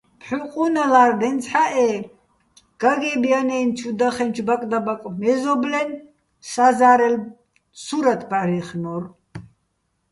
ფჰ̦უ ყუნალა́რ დენცჰ̦ა́ჸ-ე გაგე́ბ ჲანა́ჲნო̆ ჩუ დახენჩო̆ ბაკდაბაკ მეზო́ბლენ საზა́რელ სურათ ბჵარჲეხნო́რ.